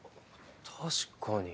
確かに。